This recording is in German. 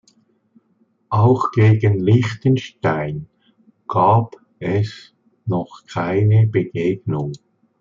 Auch gegen Liechtenstein gab es noch keine Begegnung.